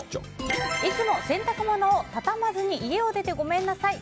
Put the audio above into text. いつも洗濯物を畳まずに家を出てごめんなさい！